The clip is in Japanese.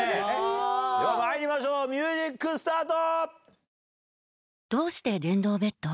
ではまいりましょうミュージックスタート！